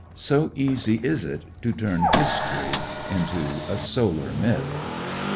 So easy is it to turn history into a solar myth.